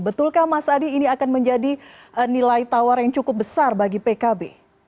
betulkah mas adi ini akan menjadi nilai tawar yang cukup besar bagi pkb